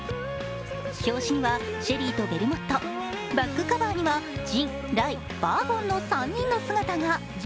表紙にはシェリーとベルモット、バックカバーには、ジン、ライ、バーボンの姿が。